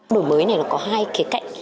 đổi mới này có hai cái cạnh